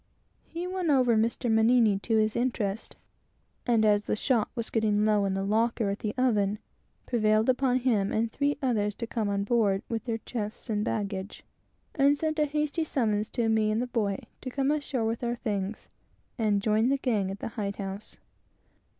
He got Mr. Mannini in his interest, and as the shot was getting low in the locker, prevailed upon him and three others to come on board with their chests and baggage, and sent a hasty summons to me and the boy to come ashore with our things, and join the gang at the hide house.